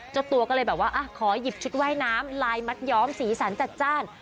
เจ้าตัวก็เลยแบบว่าขอหยิบชุดว่ายน้ำลายมัดย้อมสีสันจัดจ้าน